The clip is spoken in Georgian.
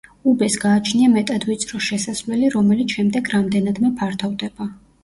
უბეს გააჩნია მეტად ვიწრო შესასვლელი, რომელიც შემდეგ რამდენადმე ფართოვდება.